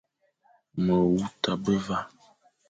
Me wu tabe va,